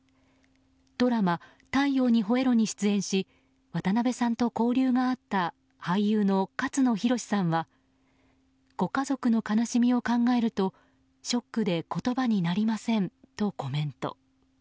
ドラマ「太陽にほえろ！」に出演し渡辺さんと交流俳優の勝野洋さんはご家族の悲しみを考えるとショックで言葉になりませんとコメント。